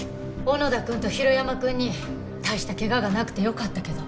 小野田くんと広山くんに大した怪我がなくてよかったけど。